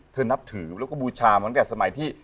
นับถือแล้วก็บูชาเหมือนกับสมัยที่